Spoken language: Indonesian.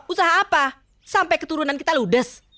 usaha apa sampai keturunan kita ludes